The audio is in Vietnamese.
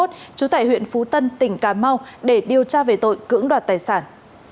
trú tại huyện phú tân tỉnh cà mau để điều tra về tội cưỡng đoạt tài sản